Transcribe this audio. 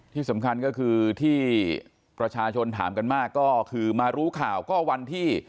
ที่สำคัญก็คือที่ประชาชนถามกันมากก็คือมารู้ข่าวก็วันที่